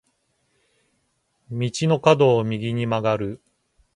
道の角を右に曲がる。